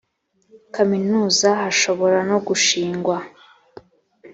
kaminuza hashobora no gushingwa